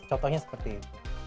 contohnya seperti itu